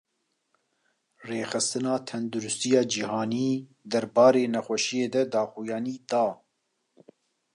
Rêxistina Tendurustiya Cîhanî, derbarê nexweşiyê de daxuyanî da